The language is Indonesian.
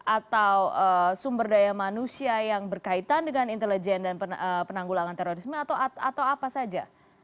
atau sumber daya manusia yang berkaitan dengan intelijen dan penanggulangan terorisme atau apa saja